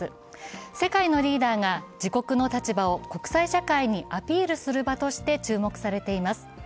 世界のリーダーが自国の立場を国際社会にアピールする場として注目されています。